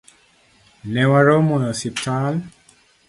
Newaromo e osiptal